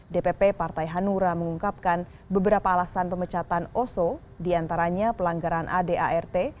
dpp partai hanura mengungkapkan beberapa alasan pemecatan oso diantaranya pelanggaran adart